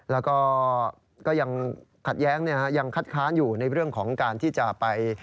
แล้วก็ก็ยังขัดแย้งยังคัดค้านอยู่ในเรื่องของการที่จะไป